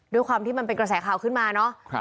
ด้วยความที่มันเป็นกระแสข่าวขึ้นมาเนาะ